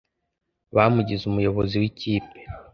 Bamugize umuyobozi wikipe.